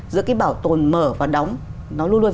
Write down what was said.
giữa cái bảo tồn mở và đóng nó luôn luôn